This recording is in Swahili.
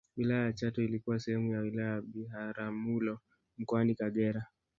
Wilaya ya Chato ilikuwa sehemu ya wilaya ya Biharamulo mkoani Kagera